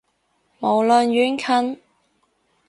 無論遠近